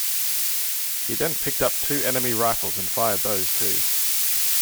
He then picked up two enemy rifles and fired those too.